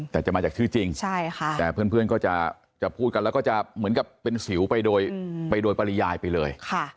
แต่จะมาจากชื่อจริงแต่เพื่อนก็จะพูดกันแล้วก็จะเหมือนกับเป็นสิวไปโดยปริยายไปเลย